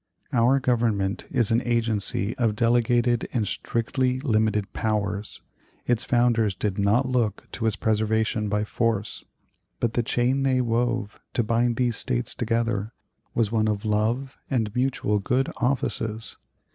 Our Government is an agency of delegated and strictly limited powers. Its founders did not look to its preservation by force; but the chain they wove to bind these States together was one of love and mutual good offices.